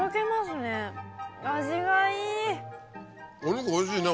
お肉おいしいね